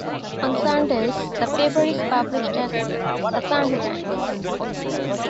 On Sundays the paper is published as The Sunday Times.